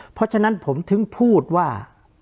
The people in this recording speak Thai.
เพราะฉะนั้นผมถึงพูดว่า